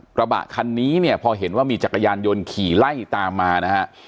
กระบะคันนี้เนี่ยพอเห็นว่ามีจักรยานยนต์ขี่ไล่ตามมานะฮะ